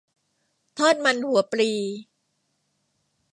ทอดมันหัวปลี